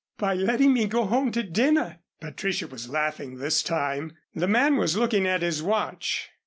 "By letting me go home to dinner." Patricia was laughing this time. The man was looking at his watch.